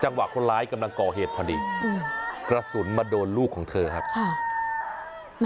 วะคนร้ายกำลังก่อเหตุพอดีกระสุนมาโดนลูกของเธอครับค่ะ